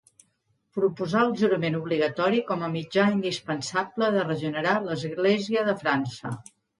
Proposà el jurament obligatori com a mitjà indispensable de regenerar l'església de França.